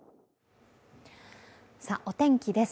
お天気です。